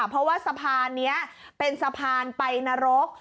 เพราะว่าสะพานนี้เป็นสะพานไปนรก